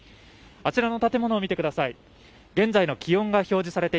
あちらの建物を見てください。